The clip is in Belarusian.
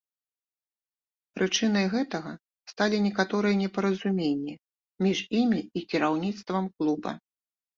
Прычынай гэтага сталі некаторыя непаразуменні між імі і кіраўніцтвам клуба.